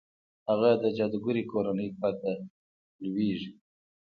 هغه د جادوګرې کورنۍ پرته لوېږي.